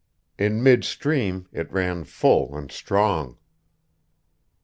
In midstream it ran full and strong.